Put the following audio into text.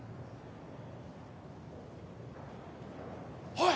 ・おい！